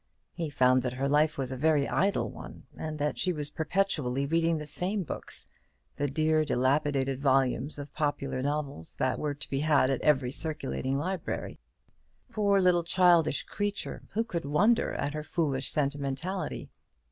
He found that her life was a very idle one, and that she was perpetually reading the same books, the dear dilapidated volumes of popular novels that were to be had at every circulating library. Poor little childish creature, who could wonder at her foolish sentimentality?